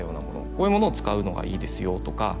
こういうものを使うのがいいですよとか。